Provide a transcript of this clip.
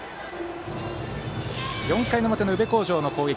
４回の表、宇部鴻城の攻撃。